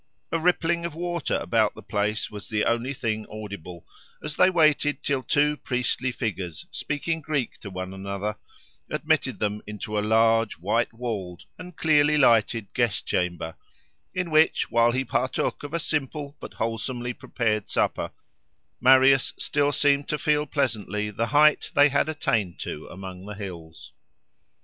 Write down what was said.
A rippling of water about the place was the only thing audible, as they waited till two priestly figures, speaking Greek to one another, admitted them into a large, white walled and clearly lighted guest chamber, in which, while he partook of a simple but wholesomely prepared supper, Marius still seemed to feel pleasantly the height they had attained to among the hills.